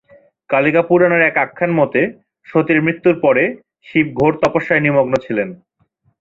কালিকা পুরাণের এক আখ্যান মতে, সতীর মৃত্যুর পর শিব ঘোর তপস্যায় নিমগ্ন ছিলেন।